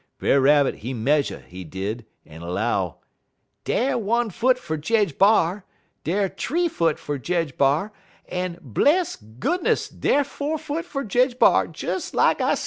Brer Rabbit he medjer, he did, en 'low: "'Dar one foot fer Jedge B'ar; dar th'ee foot fer Jedge B'ar; en, bless goodness, dar four foot fer Jedge B'ar, des lak I say!'